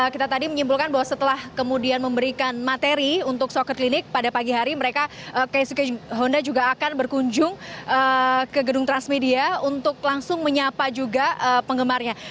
kita tadi menyimpulkan bahwa setelah kemudian memberikan materi untuk soccer clinic pada pagi hari mereka keisuke honda juga akan berkunjung ke gedung transmedia untuk langsung menyapa juga penggemarnya